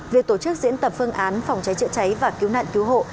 việc tổ chức diễn tập phương án phòng cháy chữa cháy và cứu nạn cứu hộ